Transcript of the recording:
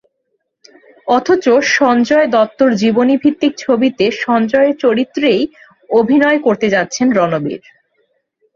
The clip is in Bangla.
অথচ সঞ্জয় দত্তর জীবনীভিত্তিক ছবিতে সঞ্জয়ের চরিত্রেই অভিনয় করতে যাচ্ছেন রণবীর।